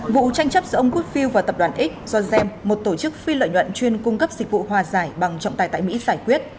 vụ tranh chấp giữa ông woodfield và tập đoàn x do zem một tổ chức phi lợi nhuận chuyên cung cấp dịch vụ hòa giải bằng trọng tài tại mỹ giải quyết